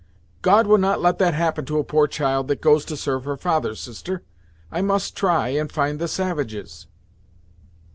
"God will not let that happen to a poor child that goes to serve her father, sister. I must try and find the savages."